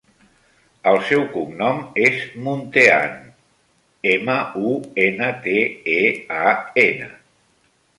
El seu cognom és Muntean: ema, u, ena, te, e, a, ena.